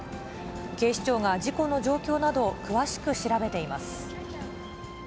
警視庁が事故の状況などを詳しく調べています。